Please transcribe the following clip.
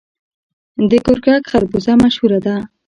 د ګرګک خربوزه مشهوره ده.